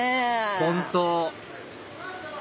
本当！